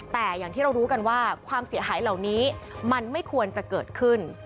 แต่อย่างที่เรารู้กันว่าความเสียหายเหล่านี้มันไม่ควรจะเกิดขึ้น